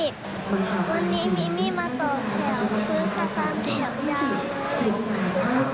วันนี้มิมิมาต่อแถวซื้อสแตมแถวยาว